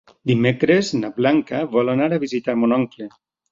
Dimecres na Blanca vol anar a visitar mon oncle.